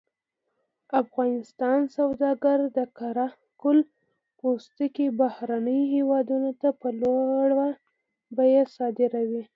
افغان سوداګر د قره قل پوستکي بهرنیو هېوادونو ته په لوړه بیه صادروي.